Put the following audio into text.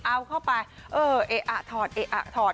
เอาเข้าไปเออเอ๊ะอ่ะถอดเอ๊ะอะถอด